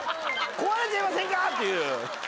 「壊れちゃいませんか？」っていう。